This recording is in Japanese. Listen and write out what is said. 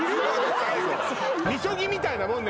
最後禊みたいなもんね